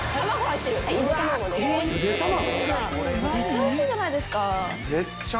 絶対おいしいじゃないですか。